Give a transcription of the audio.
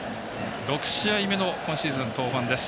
６試合目の今シーズン登板です。